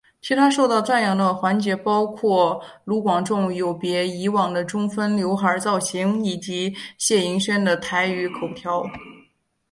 其他受到赞扬的环节包括卢广仲有别以往的中分浏海造型以及谢盈萱的台语口条。